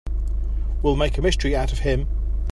We'll make a mystery out of him.